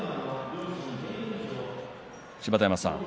芝田山さん